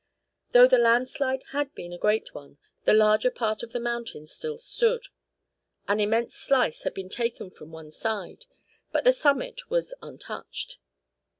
Though the landslide had been a great one, the larger part of the mountain still stood. An immense slice had been taken from one side, but the summit was untouched.